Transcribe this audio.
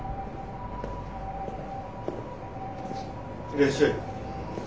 いらっしゃい。